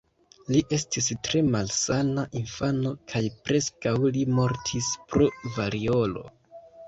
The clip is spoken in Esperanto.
Li estis tre malsana infano kaj preskaŭ li mortis pro variolo.